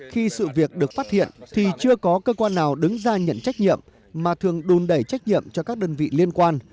khi sự việc được phát hiện thì chưa có cơ quan nào đứng ra nhận trách nhiệm mà thường đùn đẩy trách nhiệm cho các đơn vị liên quan